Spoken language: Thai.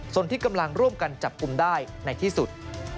ส่วนที่กำลังร่วมกันจับกลุ่มได้ในที่สุด